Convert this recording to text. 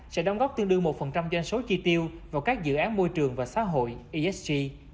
sẽ đóng góp tương đương một doanh số chi tiêu vào các dự án môi trường và xã hội esg